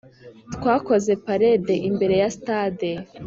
twakoze parede imbere ya stade.